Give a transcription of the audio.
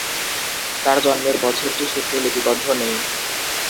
তার জন্মের বছরটি সূত্রে লিপিবদ্ধ নেই।